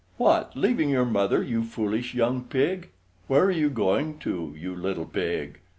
What, leaving your Mother, you foolish young pig? Where are you going to, you little pig?